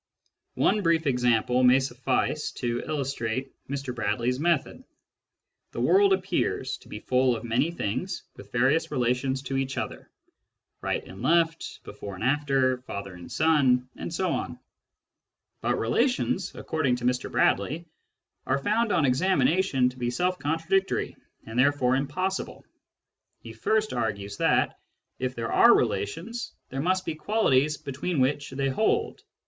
One brief example may suffice to illustrate Mr Bradley's method. The world appears to be full of many things with various relations to each other — right and left, before and after, father and son, and so on. But rela tions, according to Mr Bradley, are found on examination to be self contradictory and therefore impossible. He first argues that, if there are relations, there must be qualities between which they hold.